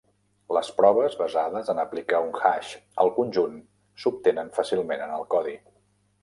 Les proves basades en aplicar un hash al conjunt s'obtenen fàcilment en el codi.